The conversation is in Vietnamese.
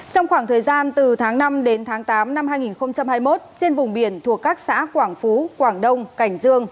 trong khoảng thời gian từ tháng năm đến tháng tám năm hai nghìn hai mươi một trên vùng biển thuộc các xã quảng phú quảng đông cảnh dương